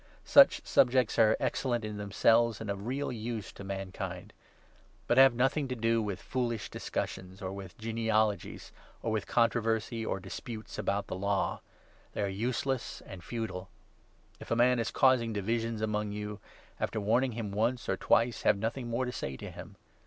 Such subjects are excellent in themselves, and of real use to man kind. But have nothing to do with foolish discussions, or 9 with genealogies, or with controversy, or disputes about the Law. They are useless and futile. If a man is causing 10 divisions among you, after warning him once or twice, have nothing more to say to him.